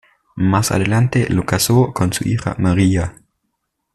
Más adelante lo casó con su hija María.